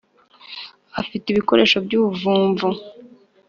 Afite ibikoresho by ‘ubuvumvu.